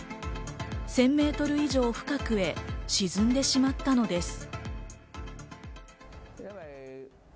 １０００メートル以上深くへ沈んでしまったのです。